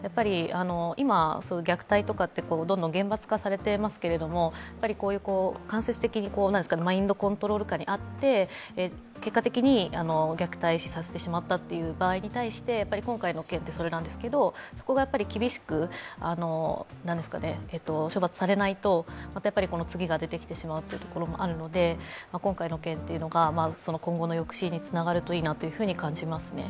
今、虐待とかってどんどん厳罰化されていますけれども、こういう間接的にマインドコントロール下にあって結果的に虐待死させてしまったという場合に関して、今回の件ってそれなんですけどそこが厳しく処罰されないとこの次が出てしまうというところもあるので今回の件っていうのが、今後の抑止につながればいいなというふうに感じますね。